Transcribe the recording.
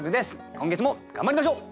今月も頑張りましょう！